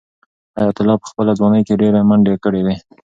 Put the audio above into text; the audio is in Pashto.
حیات الله په خپله ځوانۍ کې ډېرې منډې کړې وې.